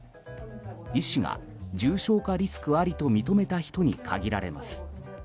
医師が重症化リスクありと認めた人に限られます。